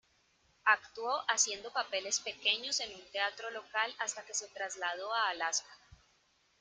Actuó haciendo papeles pequeños en un teatro local hasta que se trasladó a Alaska.